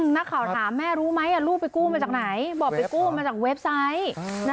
นักข่าวถามแม่รู้ไหมลูกไปกู้มาจากไหนบอกไปกู้มาจากเว็บไซต์